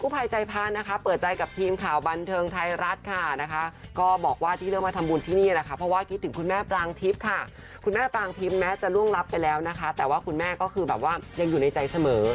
เปิดใจกับทีมข่าวบันเทิงไทยรัฐค่ะนะคะก็บอกว่าที่เลือกมาทำบุญที่นี่นะคะเพราะว่าคิดถึงคุณแม่ปรางทิพย์ค่ะคุณแม่ปรางทิพย์แม้จะล่วงรับไปแล้วนะคะแต่ว่าคุณแม่ก็คือแบบว่ายังอยู่ในใจเสมอ